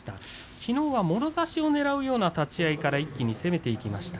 きのうはもろ差しをねらうような立ち合いから一気に攻めていきました。